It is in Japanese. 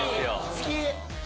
・好き！